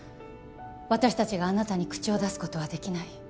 私達があなたに口を出すことはできない